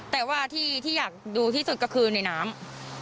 แต่ว่าที่อยากดูที่สุดก็คือในน้ำ